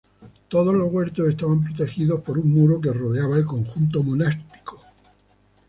Todos los huertos estaban protegidos por un muro que rodeaba el conjunto monástico.